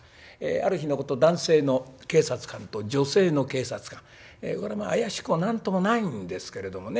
ある日のこと男性の警察官と女性の警察官これ怪しくも何ともないんですけれどもね